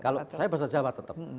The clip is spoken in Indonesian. kalau saya bahasa jawa tetap